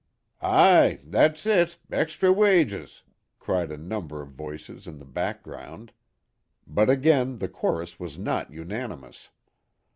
"Aye! That's it. Extry wages," cried a number of voices in the background. But again the chorus was not unanimous.